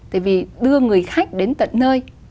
tại vì đưa người khách đến tận nơi